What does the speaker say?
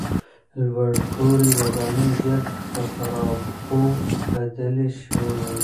لوړپوړي ودانۍ ژر په خرابو بدلې شوې.